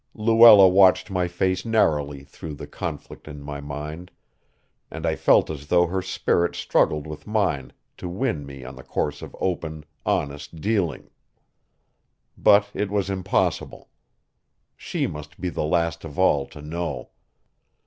Luella watched my face narrowly through the conflict in my mind, and I felt as though her spirit struggled with mine to win me to the course of open, honest dealing. But it was impossible. She must be the last of all to know.